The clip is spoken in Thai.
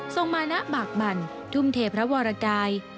มานะบากหมั่นทุ่มเทพระวรกาย